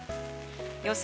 予想